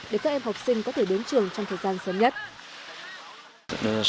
để các em học sinh có thể đến trường trong thời gian sớm nhất